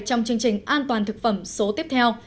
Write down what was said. trong chương trình an toàn thực phẩm số tiếp theo